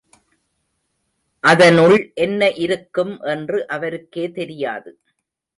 அதனுள் என்ன இருக்கும் என்று அவருக்கே தெரியாது.